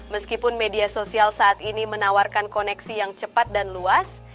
meskipun media sosial saat ini menawarkan koneksi yang cepat dan luas